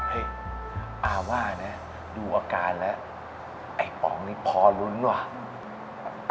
เฮ้ยอ้าว่าน่ะดูอาการแล้วไอ้ป๋องนี่พอลุ้นหรือว่ะ